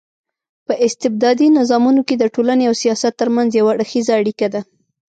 په استبدادي نظامونو کي د ټولني او سياست ترمنځ يو اړخېزه اړيکه ده